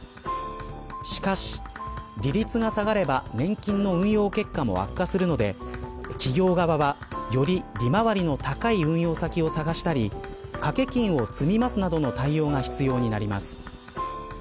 しかし、利率が下がれば年金の運用結果も悪化するので企業側はより利回りの高い運用先を探したり掛け金を積みますなどの対応が必要となります。